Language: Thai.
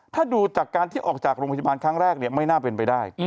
ถ้าดูจากการที่ออกจากโรงพยาบาลครั้งแรกไม่น่าเป็นไปได้